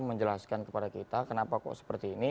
menjelaskan kepada kita kenapa kok seperti ini